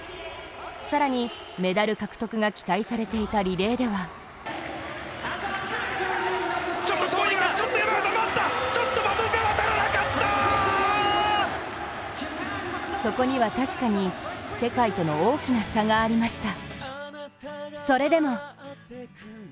さらに、メダル獲得が期待されていたリレーではそこには確かに世界との大きな差がありました。